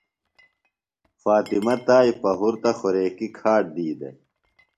فاطمہ تائی پہُرتہ خوریکیۡ کھاڈ دی دےۡ۔